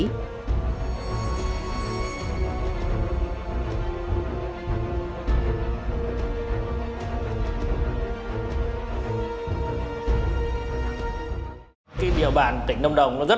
nguyễn văn nưng đã bị bắt